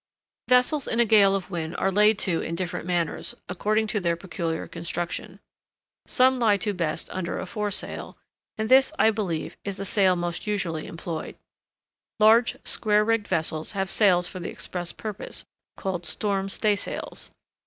Vessels in a gale of wind are laid to in different manners, according to their peculiar construction. Some lie to best under a foresail, and this, I believe, is the sail most usually employed. Large square rigged vessels have sails for the express purpose, called storm staysails.